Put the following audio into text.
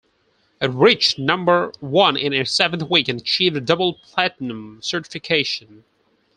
It reached number one in its seventh week and achieved double platinum certification.